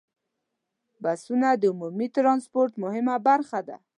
بسونه د عمومي ټرانسپورت مهمه برخه ده.